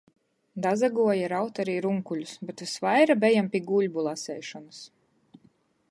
Dasaguoja raut ari runkuļus, bet vysvaira bejom pi guļbu laseišonys.